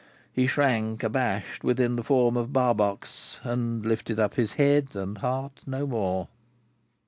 He shrank, abashed, within the form of Barbox, and lifted up his head and heart no more.